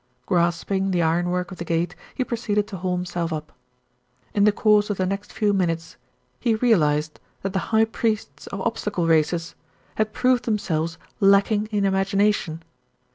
Grasping the iron work of the gate, he proceeded to haul himself up. In the course of the next few minutes, he realised that the high priests of obstacle races had proved themselves lacking in imagination.